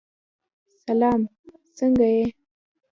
سلام! څنګه یې؟